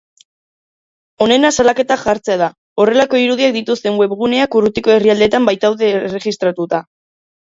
Onena salaketa jartzea da, horrelako irudiak dituzten webguneak urrutiko herrialdeetan baitaude erregistratuta.